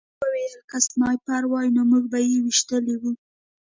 هغوی وویل که سنایپر وای نو موږ به یې ویشتلي وو